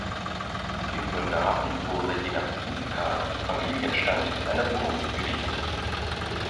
Dem Soldaten wurde je nach Dienstgrad und Familienstand eine Wohnung zugewiesen.